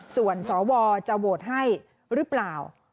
ส่วนสวจะโหวตให้หรือเปล่า